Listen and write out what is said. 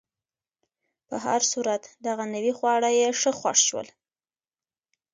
په هر صورت، دغه نوي خواړه یې ښه خوښ شول.